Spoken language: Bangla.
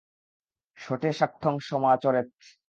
শঠে শাঠ্যং সমাচরেৎ।